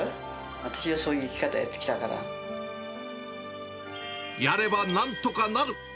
私はそういう生き方やってきたかやればなんとかなる。